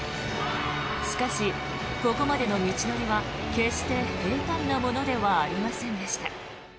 しかし、ここまでの道のりは決して平たんなものではありませんでした。